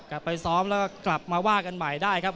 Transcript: กลับไปซ้อมแล้วก็กลับมาว่ากันใหม่ได้ครับ